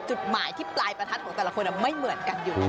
จุดหมายที่ปลายประทัดของแต่ละคนไม่เหมือนกันอยู่